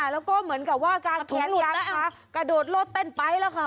แล้วก็เหมือนกระวดการแขนล้างกระโดดลดเด้นไปแล้วค่ะ